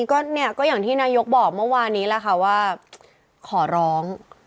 ก็เนี่ยก็อย่างที่นายกบอกเมื่อวานนี้แหละค่ะว่าขอร้อง